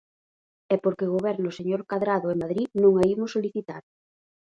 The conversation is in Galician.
E porque goberne o señor Cadrado en Madrid non a imos solicitar.